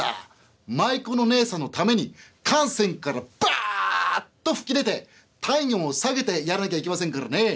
舞妓のねえさんのために汗腺からバッと噴き出て体温を下げてやらなきゃいけませんからね」。